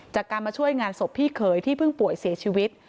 จากการมาช่วยงานศพพี่เขยที่เพิ่งป่วยเสียชีวิต